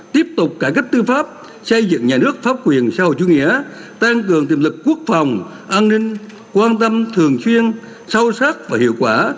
tiếp tục cải cách tư pháp xây dựng nhà nước pháp quyền sau chủ nghĩa tăng cường tiềm lực quốc phòng an ninh quan tâm thường chuyên sâu sắc và hiệu quả